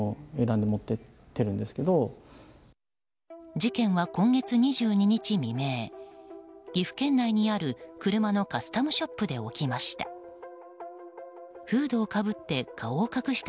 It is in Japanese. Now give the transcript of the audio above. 事件は今月２２日未明岐阜県内にある車のカスタムショップで起きました。